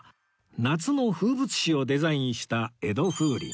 夏の風物詩をデザインした江戸風鈴